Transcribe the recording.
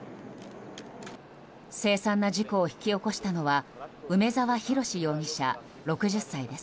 凄惨な事故を引き起こしたのは梅沢洋容疑者、６０歳です。